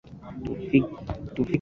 Tufike uwanjani kuna sherehe